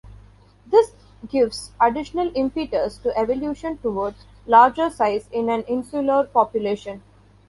This gives additional impetus to evolution toward larger size in an insular population.